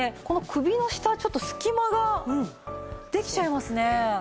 この首の下ちょっと隙間ができちゃいますね。